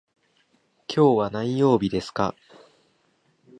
今日は何曜日ですか。